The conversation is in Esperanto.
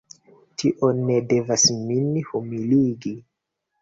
Tio ne devas min humiligi!